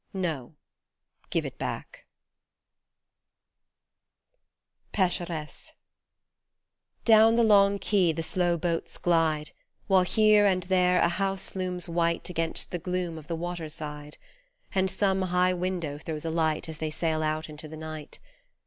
No, give it back ! 24 PECHERESSE DOWN the long quay the slow boats glide, While here and there a house looms white Against the gloom of the waterside, And some high window throws a light As they sail out into the night.